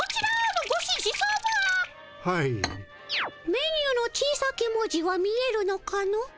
メニューの小さき文字は見えるのかの？